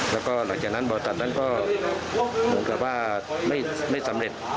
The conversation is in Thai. แล้วก็หลังจากนั้นบริษัทนั้นก็เหมือนกับว่าไม่สำเร็จ